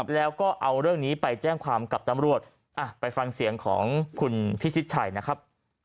แล้วก็เอาเรื่องนี้ไปแจ้งความกับตำรวจไปฟังเสียงของคุณพิชิตชัยนะครับ